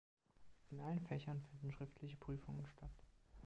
In allen Fächern finden schriftliche Prüfungen statt.